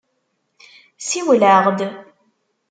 Siwel-aɣ-d.